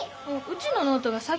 うちのノートが先。